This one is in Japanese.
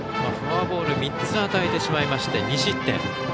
フォアボール３つ与えてしまいまして２失点。